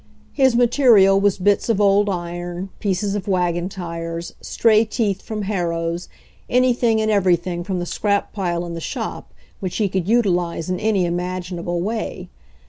His material was bits of old iron, pieces of wagon tires, stray teeth from harrows — anything and everything from the scrap pile in the shop which he could utilize in any imaginable way.